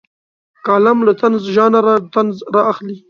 کالم له طنز ژانره طنز رااخلي.